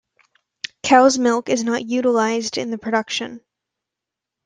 Cow's milk is not utilized in the production.